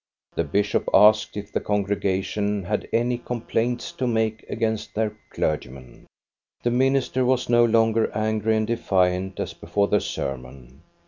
The bishop asked if the congregation had any complaints to make against their clergyman. The minister was no longer angry and defiant as before the sermon.